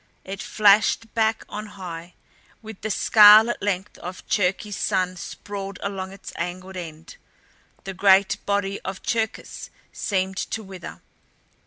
It flashed back on high with the scarlet length of Cherkis's son sprawled along its angled end. The great body of Cherkis seemed to wither.